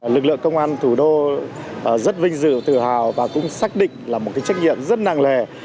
lực lượng công an thủ đô rất vinh dự tự hào và cũng xác định là một trách nhiệm rất nặng nề